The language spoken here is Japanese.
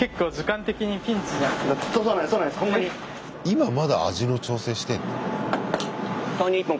今まだ味の調整してんの？